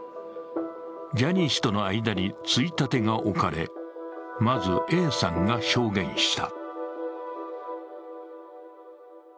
ジャニー氏との間についたてが置かれ、まずＡさんが証言した。